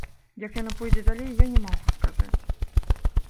Як яно пойдзе далей, я не магу сказаць.